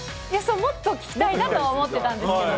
もっと聞きたいなとは思ってたんですけどね。